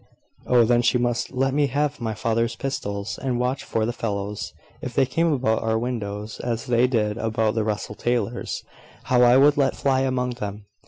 "Oh, then she must let me have my father's pistols, and watch for the fellows. If they came about our windows as they did about the Russell Taylors', how I would let fly among them!